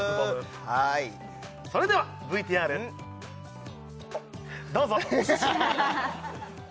それではＶＴＲどうぞおすし！？